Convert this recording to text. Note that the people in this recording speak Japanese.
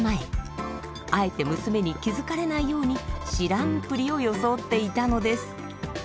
あえて娘に気付かれないように知らんぷりを装っていたのです。